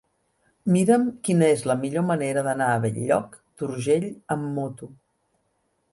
Mira'm quina és la millor manera d'anar a Bell-lloc d'Urgell amb moto.